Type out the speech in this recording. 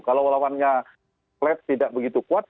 kalau lawannya lets tidak begitu kuat